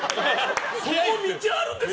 そこ道あるんですか？